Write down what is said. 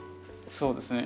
そうですね。